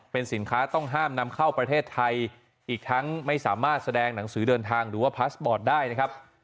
เป็นสินค้าต้องห้ามนำเข้าประเทศไทยอีกทั้งไม่สามารถแสดงหนังสือเดินทางหรือว่าพาสปอร์ตได้นะครับ